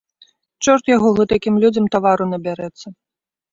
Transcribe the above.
Чорт яго гэтакім людзям тавару набярэцца!